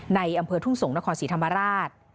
อำเภอทุ่งสงศ์นครศรีธรรมราช